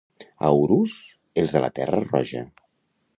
A Urús, els de la terra roja.